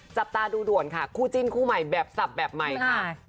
จับตาดูด่วนค่ะคู่จิ้นคู่ใหม่แบบสับแบบใหม่ค่ะ